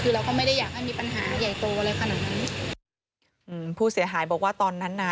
คือเราก็ไม่ได้อยากให้มีปัญหาใหญ่โตอะไรขนาดนั้นอืมผู้เสียหายบอกว่าตอนนั้นน่ะ